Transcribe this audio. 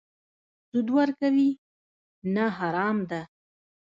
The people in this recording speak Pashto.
سود ورکوي؟ نه، حرام ده